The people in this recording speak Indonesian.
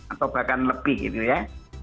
atau bahkan lebih gitu ya